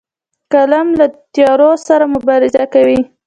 قلم له تیارو سره مبارزه کوي